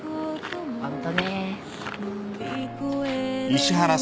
ホントね。